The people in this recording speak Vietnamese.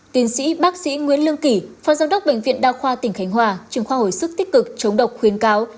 tiến sĩ bác sĩ nguyễn lương kỷ phó giám đốc bệnh viện đa khoa tỉnh khánh hòa trường khoa hồi sức tích cực chống độc khuyến cáo